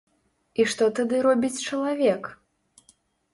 І што тады робіць чалавек?